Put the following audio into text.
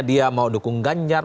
dia mau dukung ganjar